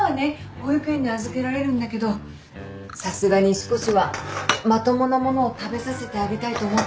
保育園に預けられるんだけどさすがに少しはまともな物を食べさせてあげたいと思ってて。